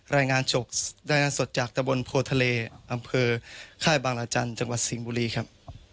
รายงานจบรายงานสดจากตะบนโพทะเลอำเภอค่ายบางราจันทร์จังหวัดสิงห์บุรีครับ